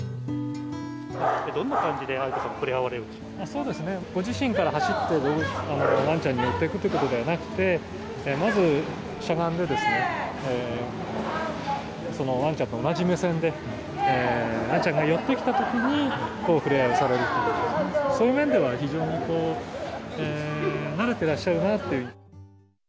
どんな感じで、愛子さまは、ご自身から走ってワンちゃんに寄っていくということではなくて、まずしゃがんで、ワンちゃんと同じ目線で、ワンちゃんが寄ってきたときに触れ合いをされるという、そういう面では、非常にこう、慣れてらっしゃるなという。